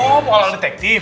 oh makhluk detektif